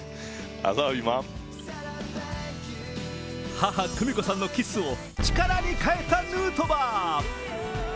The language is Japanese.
母・久美子さんのキスを力に変えたヌートバー。